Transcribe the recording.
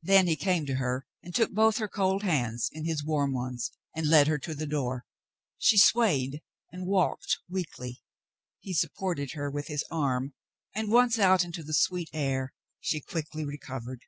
Then he came to her and took both her cold hands in his warm ones and led her to the door. She swayed and walked weakly. He supported hfer with his arm and, once out in the sweet air, she quickly recovered.